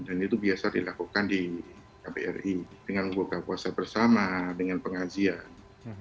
dan itu biasa dilakukan di kbri dengan buka puasa bersama dengan pengajian